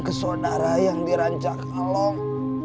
ke sodara yang dirancang